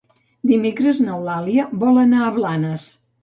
Dimecres n'Eulàlia vol anar a Blanes.